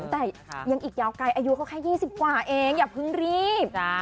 แต่ยังอีกยาวไกลอายุเขาแค่๒๐กว่าเองอย่าเพิ่งรีบ